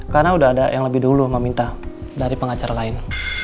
karena udah ada yang lebih dulu meminta dari pengacara lain